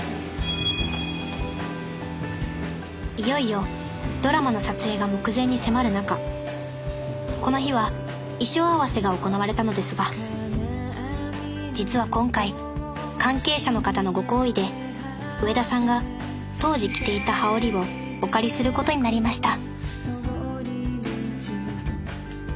いよいよドラマの撮影が目前に迫る中この日は衣装合わせが行われたのですが実は今回関係者の方のご厚意で上田さんが当時着ていた羽織をお借りすることになりました